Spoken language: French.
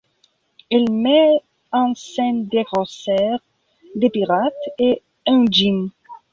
Elle met en scène des corsaires, des pirates et un djinn.